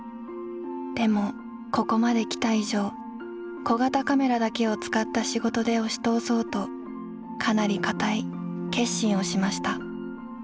でもここまで来た以上小型カメラだけを使った仕事で押しとうそうとかなりかたい決心をしました」。